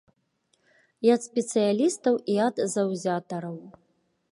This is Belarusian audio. І ад спецыялістаў, і ад заўзятараў.